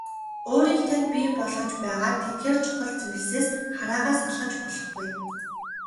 Өөрийг тань бий болгож байгаа тэдгээр чухал зүйлсээс хараагаа салгаж болохгүй.